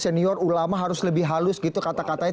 senior ulama harus lebih halus gitu kata katanya